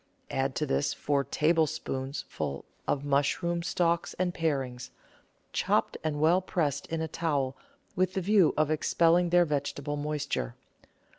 Add to this four tablespoonfuls of mush room stalks and parings, chopped and well pressed in a towel with the view of expelling their vegetable moisture.